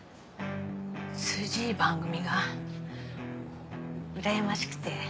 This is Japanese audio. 数字いい番組がうらやましくて。